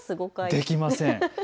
できません。